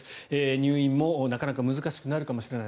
入院もなかなか難しくなるかもしれない。